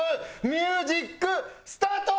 ミュージックスタート！